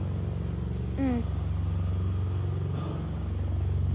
うん。